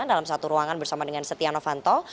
dalam satu ruangan bersama dengan setia novanto